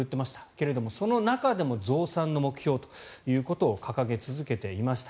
けれども、その中でも増産の目標ということを掲げ続けていました。